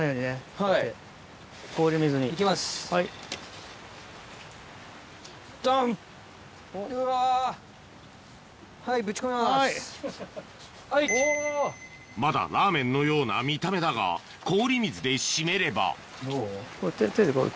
まだラーメンのような見た目だが氷水で締めればどう？